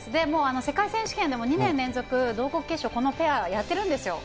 世界選手権でも２年連続同国決勝、このペア、やってるんですよ。